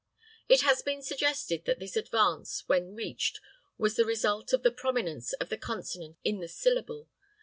It has been suggested that this advance when reached was the result of the prominence of the consonant in the syllable.